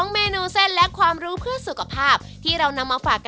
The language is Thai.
เมนูเส้นและความรู้เพื่อสุขภาพที่เรานำมาฝาก